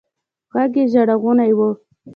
ږغ يې ژړغونى و.